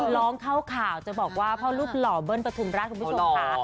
ร้องเข้าข่าวจะบอกว่าพ่อลูกหล่อเบิ้ลปฐุมราชคุณผู้ชมค่ะ